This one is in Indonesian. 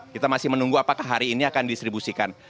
kita masih menunggu apakah hari ini akan didistribusikan